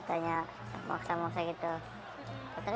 terus saya ke masjid anur